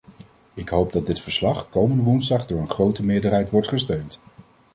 Ik hoop dat dit verslag komende woensdag door een grote meerderheid wordt gesteund.